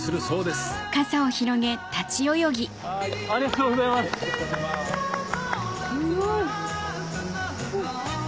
すごい。